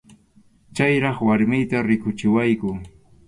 Chayraq warmiyta rikuchiwanku.